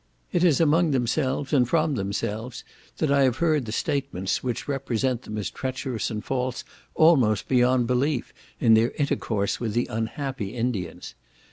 It is among themselves, and from themselves, that I have heard the statements which represent them as treacherous and false almost beyond belief in their intercourse with the unhappy Indians.